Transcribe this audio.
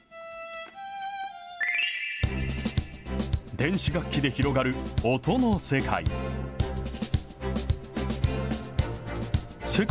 電子楽器で広がる音の世界。